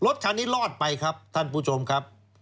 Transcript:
รถคันนี้รอดไปครับท่านผู้ชมครับ